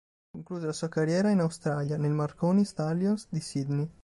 Concluse la sua carriera in Australia, nel Marconi Stallions di Sydney.